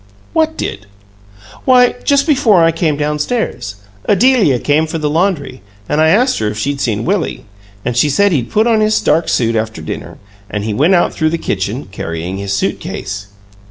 "What did?" "Why, just before I came down stairs, Adelia came for the laundry; and I asked her if she'd seen Willie; and she said he'd put on his dark suit after dinner, and he went out through the kitchen, carrying his suit case."